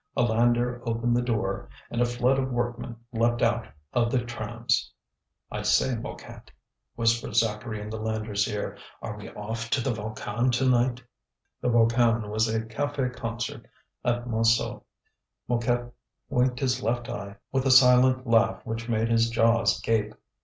A lander opened the door, and a flood of workmen leapt out of the trams. "I say, Mouquet," whispered Zacharie in the lander's ear, "are we off to the Volcan to night?" The Volcan was a café concert at Montsou. Mouquet winked his left eye with a silent laugh which made his jaws gape.